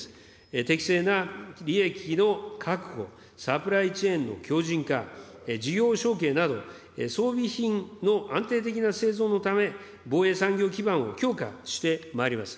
適正な利益の確保、サプライチェーンの強じん化、事業承継など、装備品の安定的な製造のため、防衛産業基盤を強化してまいります。